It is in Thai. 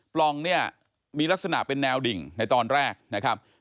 ปล่องเนี่ยมีลักษณะเป็นแนวดิ่งในตอนแรกนะครับ